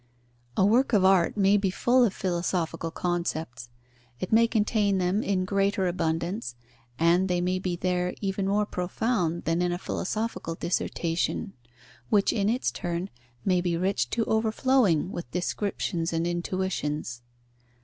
A work of art may be full of philosophical concepts; it may contain them in greater abundance and they may be there even more profound than in a philosophical dissertation, which in its turn may be rich to overflowing with descriptions and intuitions.